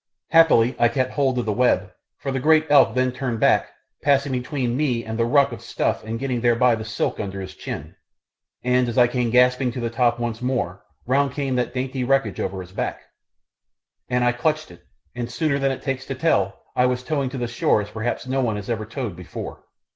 Happily I kept hold of the web, for the great elk then turned back, passing between me and the ruck of stuff and getting thereby the silk under his chin, and as I came gasping to the top once more round came that dainty wreckage over his back, and I clutched it, and sooner than it takes to tell I was towing to the shore as perhaps no one was ever towed before.